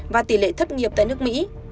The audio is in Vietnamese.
và tỷ lệ thất nghiệp tại nước mỹ